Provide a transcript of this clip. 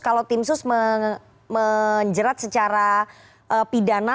kalau timsus menjerat secara pidana